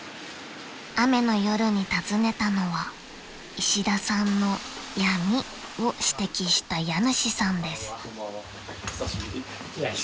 ［雨の夜に訪ねたのは石田さんの闇を指摘した家主さんです］